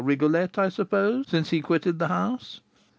Rigolette, I suppose, since he quitted the house?"